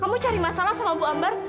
kamu cari masalah sama bu ambar